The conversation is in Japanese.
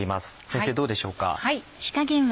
先生どうでしょうか？